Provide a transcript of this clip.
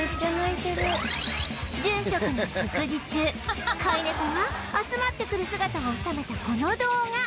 住職の食事中飼いネコが集まってくる姿を収めたこの動画